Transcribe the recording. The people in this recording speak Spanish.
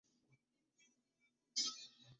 Se encuentra ubicada a metros de la plaza comunal.